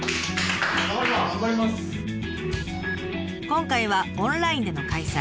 今回はオンラインでの開催。